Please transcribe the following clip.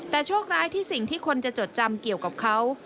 แต่โชคร้ายที่สิ่งที่คนจะจดจำเกี่ยวกับเขา